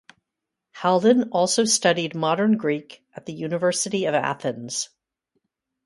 Haldon also studied Modern Greek at the University of Athens.